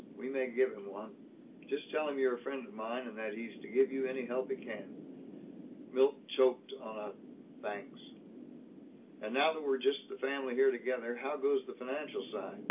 We may give him one. Just tell him you're a friend of mine, and that he's to give you any help he can." Milt choked on a "Thanks." "And now that we're just the family here together how goes the financial side?